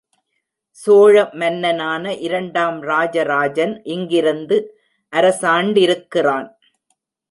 சோழ மன்னனான இரண்டாம் ராஜராஜன் இங்கிருந்து அரசாண்டிருக்கிறான்.